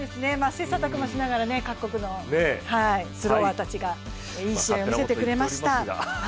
切磋琢磨しながら、各国のスロワーたちがいいものを見せてくれました。